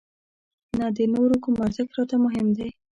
نه د نورو کوم ارزښت راته مهم دی.